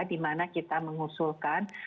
dimana kita mengusulkan